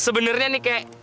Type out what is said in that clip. sebenernya nih kakek